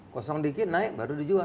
kosong dikit naik baru dijual